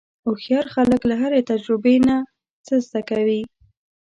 هوښیار خلک له هرې تجربې نه څه زده کوي.